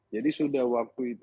jadi sudah waktu itu